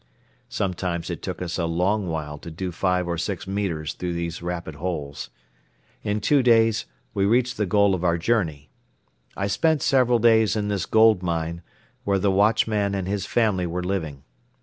Sometimes it took us a long while to do five or six metres through these rapid holes. In two days we reached the goal of our journey. I spent several days in this gold mine, where the watchman and his family were living.